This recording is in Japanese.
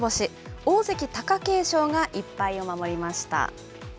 大関・貴景勝が１敗を守りました。